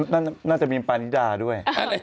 นั่นน่าจะมีพาลิดาด้วย